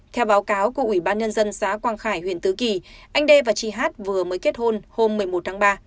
theo báo cáo của ủy ban nhân dân xã quang khải huyện tứ kỳ anh đê và chị hát vừa mới kết hôn hôm một mươi một tháng ba